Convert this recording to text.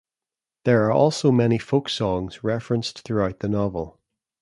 There are also many folk songs referenced throughout the novel.